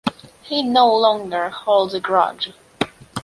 He no longer holds a grudge.